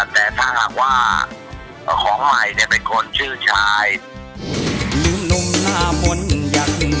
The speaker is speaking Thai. แต่ถ้าหากว่าของใหม่เป็นคนชื่อชาย